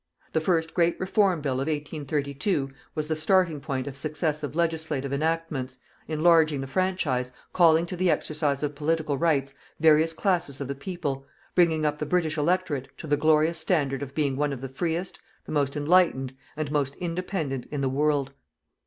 The first great Reform Bill of 1832 was the starting point of successive legislative enactments, enlarging the franchise, calling to the exercise of political rights various classes of the people, bringing up the British electorate to the glorious standard of being one of the freest, the most enlightened, and most independent in the world.